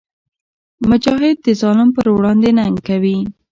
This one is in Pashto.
مجاهد د ظالم پر وړاندې ننګ کوي.